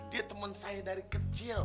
dia teman saya dari kecil